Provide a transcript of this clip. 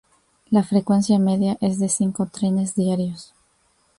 La frecuencia media es de cinco trenes diarios